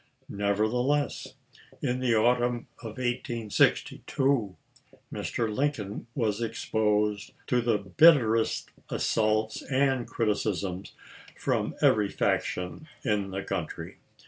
Nevertheless, in the autumn of 1862, Mr. Lincoln was exposed to the bitterest assaults and criticisms from every faction in the country.